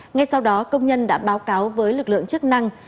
ngay sau đó công nhân đã báo cáo với lực lượng chức năng